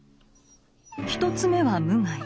１つ目は無害。